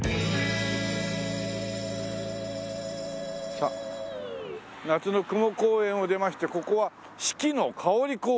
さっ夏の雲公園を出ましてここは四季の香公園ってほら！